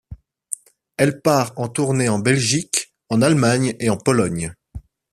Elle part en tournée en Belgique, en Allemagne et en Pologne.